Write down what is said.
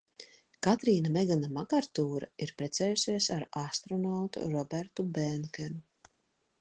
Katrīna Megana Makartūra ir precējusies ar astronautu Robertu Bēnkenu.